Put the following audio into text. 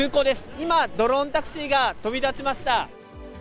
今、ドローンタクシーが飛び立ちました。